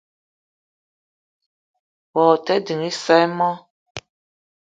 Wao te ding isa i mo?